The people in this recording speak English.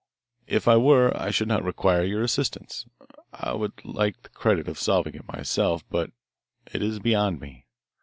If I were I should not require your assistance. I would like the credit of solving it myself, but it is beyond me.